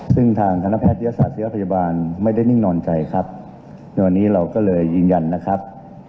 ซึ่งทางคณะแพทยศาสยาพยาบาลไม่ได้นิ่งนอนใจครับในวันนี้เราก็เลยยืนยันนะครับ